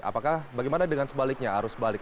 apakah bagaimana dengan sebaliknya arus balik